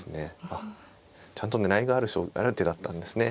あっちゃんと狙いがある手だったんですね。